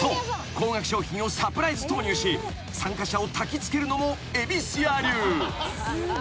高額商品をサプライズ投入し参加者をたきつけるのもゑびすや流］